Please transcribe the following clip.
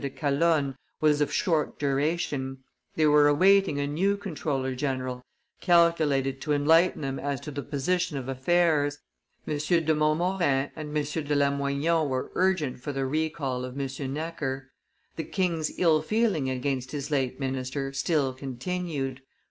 de Calonne was of short duration; they were awaiting a new comptroller general, calculated to enlighten them as to the position of affairs. M. de Montmorin and M. de Lamoignon were urgent for the recall of M. Necker. The king's ill feeling against his late minister still continued.